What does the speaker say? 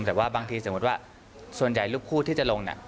แต่ว่าบางทีรูปคู่ที่จะลง